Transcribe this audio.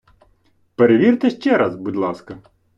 Перевірте ще раз, будь ласка!